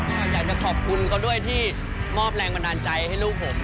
อยากจะขอบคุณเขาด้วยที่มอบแรงบันดาลใจให้ลูกผม